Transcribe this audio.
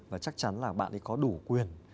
và chắc chắn là bạn ấy có đủ quyền